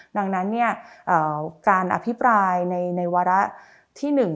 ดังนั้นการอภิปรายในวาระที่๑